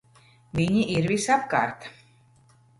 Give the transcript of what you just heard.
Viņi ir visapkārt!